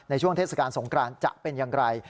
ช่วงเทศกาลสงกรานจะเป็นอย่างไร